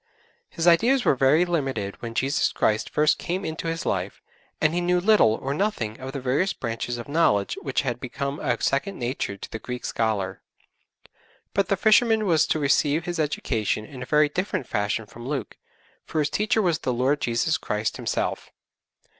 His ideas were very limited when Jesus Christ first came into his life, and he knew little or nothing of the various branches of knowledge which had become a second nature to the Greek scholar; but the fisherman was to receive his education in a very different fashion from Luke, for his teacher was the Lord Jesus Christ Himself.